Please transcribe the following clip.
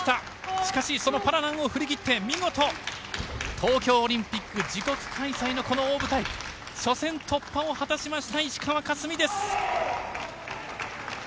しかし、パラナンを振り切って見事、東京オリンピック自国開催のこの大舞台初戦突破を果たしました石川佳純です！